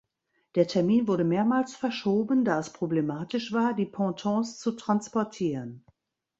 Der Termin wurde mehrmals verschoben, da es problematisch war, die Pontons zu transportieren.